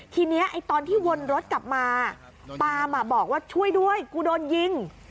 ทีนี้ตอนที่วนรถกลับมาปามบอกว่าช่วยด้วยกูโดนยิง